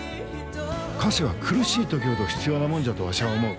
菓子は苦しい時ほど必要なもんじゃとわしゃあ思う。